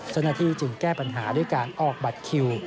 สนที่จึงแก้ปัญหาด้วยการออกบัตรคิว